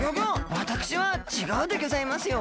わたくしはちがうでギョざいますよ！